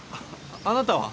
あなたは？